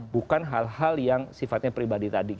bukan hal hal yang sifatnya pribadi tadi